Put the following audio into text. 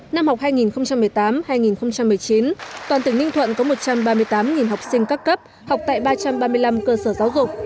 năm học hai nghìn một mươi tám hai nghìn một mươi chín toàn tỉnh ninh thuận có một trăm ba mươi tám học sinh các cấp học tại ba trăm ba mươi năm cơ sở giáo dục